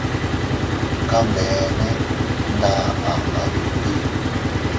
Kanbeene nda ama duddi.